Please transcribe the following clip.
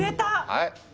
はい？